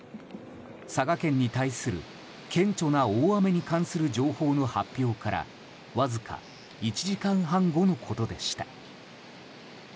佐賀県に対する顕著な大雨に関する情報の発表からわずか１時間半後のことでした。